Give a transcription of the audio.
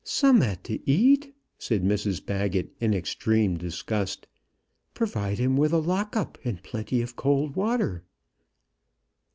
"Summat to eat!" said Mrs Baggett, in extreme disgust. "Provide him with a lock up and plenty of cold water!"